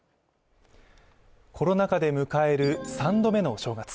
コロナ禍で迎える３度目のお正月。